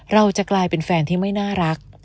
เราจะกลายเป็นแฟนที่ไม่น่ารัก